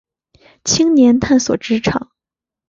青年探索职场